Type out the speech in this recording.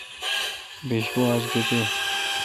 بیش بو آج گپے°۔